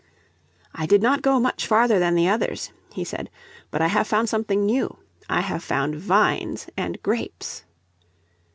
"I did not go much farther than the others," he said. "But I have found something new. I have found vines and grapes."